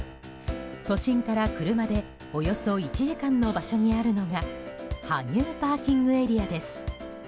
都心から車でおよそ１時間の場所にあるのが羽生ＰＡです。